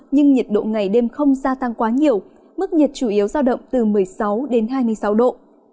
nhưng nhiệt độ ngày đêm không gia tăng quá nhiều mức nhiệt chủ yếu giao động từ một mươi sáu đến hai mươi sáu độ